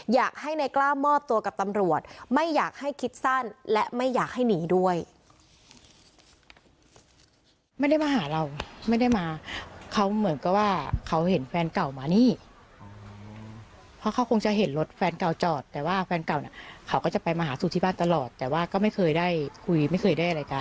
อยากให้นายกล้ามอบตัวกับตำรวจไม่อยากให้คิดสั้นและไม่อยากให้หนีด้วย